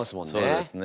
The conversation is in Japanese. そうですね。